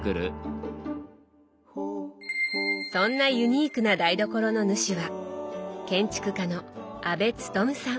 そんなユニークな台所の主は建築家の阿部勤さん。